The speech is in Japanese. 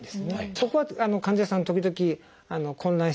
そこは患者さん時々混乱してしまう。